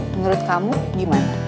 menurut kamu gimana